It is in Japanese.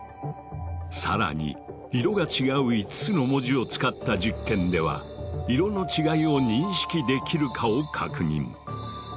更に色が違う５つの文字を使った実験では色の違いを認識できるかを確認。